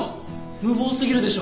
無謀すぎるでしょ。